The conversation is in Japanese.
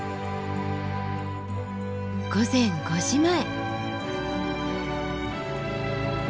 午前５時前。